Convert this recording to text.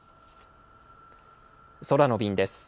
空の便です。